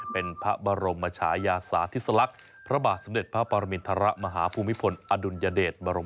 เป็นพระบรมชายาสาธิสลักษณ์พระบาทสมเด็จพระปรมินทรมาฮภูมิพลอดุลยเดชบรม